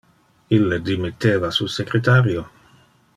Ille dimitteva su secretario.